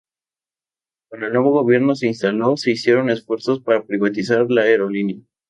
Cuando el nuevo gobierno se instaló, se hicieron esfuerzos para privatizar la aerolínea.